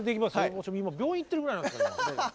私今病院行ってるぐらいなんですから。